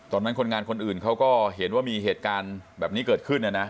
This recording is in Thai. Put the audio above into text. คนงานคนอื่นเขาก็เห็นว่ามีเหตุการณ์แบบนี้เกิดขึ้นนะนะ